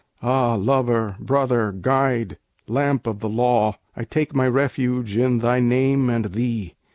Ah, Lover! Brother! Guide! Lamp of the Law! I take my refuge in Thy name and Thee!